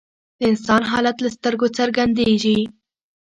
د انسان حالت له سترګو څرګندیږي